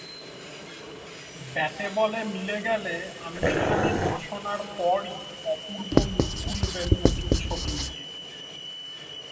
ব্যাটে-বলে মিলে গেলে আনুষ্ঠানিক ঘোষণার পরই অপূর্ব মুখ খুলবেন নতুন ছবি নিয়ে।